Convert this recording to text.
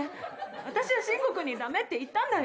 私はシンゴ君にダメって言ったんだよ。